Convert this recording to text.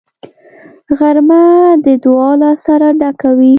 غرمه د دعا له اثره ډکه وي